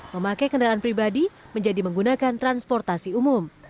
memakai kendaraan pribadi menjadi menggunakan transportasi umum